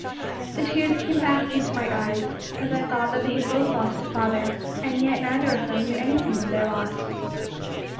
The tears came fast into my eyes, as I thought that they both had lost a father, and yet neither of them knew anything of their loss!